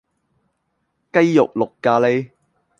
雞肉綠咖哩